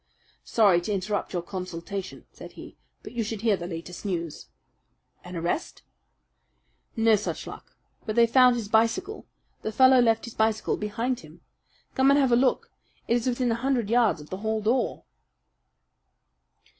"Sorry to interrupt your consultation," said he, "but you should hear the latest news." "An arrest?" "No such luck. But they've found his bicycle. The fellow left his bicycle behind him. Come and have a look. It is within a hundred yards of the hall door."